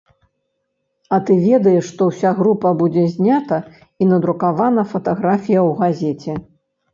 А ты ведаеш, што ўся група будзе знята і надрукавана фатаграфія ў газеце.